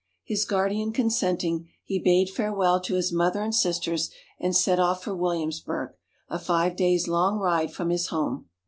His guardian consenting, he bade farewell to his mother and sisters, and set off for Williamsburg, a five days' long ride from his home.